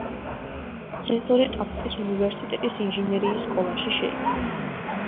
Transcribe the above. სენსორი ტაფტის უნივერსიტეტის ინჟინერიის სკოლაში შეიქმნა.